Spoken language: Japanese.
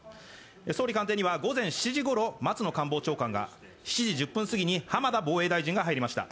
総理官邸には午前７時には松野官房長官が、７時１０分すぎに浜田防衛大臣が入りました。